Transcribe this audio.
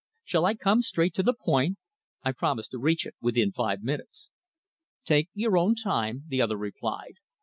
Shall I come straight to the point? I promised to reach it within five minutes." "Take your own time," the other replied.